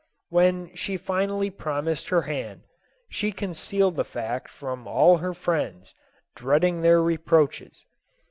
When she finally promised her hand, she con cealed the fact from all her friends, dreading their re proaches.